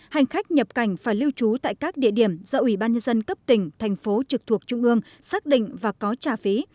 hành khách nhập cảnh phải lưu trú tại các địa điểm do ủy ban nhân dân cấp tỉnh thành phố trực thuộc trung ương xác định và có trả phí